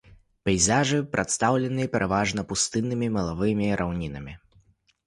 Пейзажы прадстаўлены пераважна пустыннымі мелавымі раўнінамі.